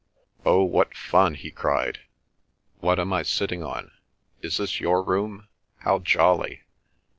"Oh, what fun!" he cried. "What am I sitting on? Is this your room? How jolly!"